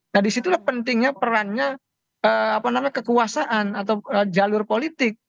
nah disitulah pentingnya perannya kekuasaan atau jalur politik